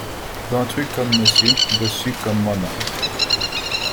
Ventru comme monsieur, Bossu comme moi-même.